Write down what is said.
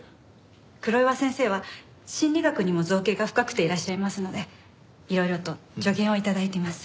黒岩先生は心理学にも造詣が深くていらっしゃいますのでいろいろと助言を頂いてます。